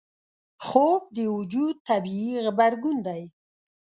خوب د وجود طبیعي غبرګون دی